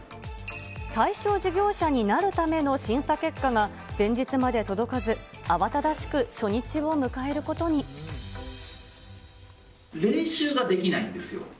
対象事業者になるための審査結果が、前日まで届かず、慌ただ練習ができないんですよ。